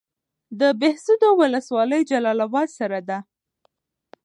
د بهسودو ولسوالۍ جلال اباد سره ده